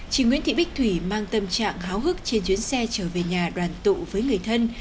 chị nguyễn thị bích thủy mang tâm trạng háo hức trên chuyến xe trở về nhà đoàn tụ với người thân